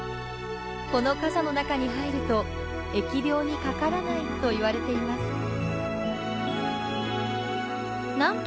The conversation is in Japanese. この傘の中に入ると疫病にかからないといわれています。